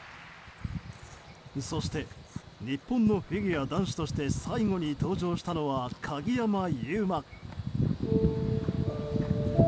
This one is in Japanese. そして日本のフィギュア男子として最後に登場したのは鍵山優真。